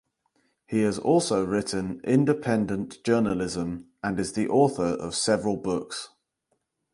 He has also written independent journalism and is the author of several books.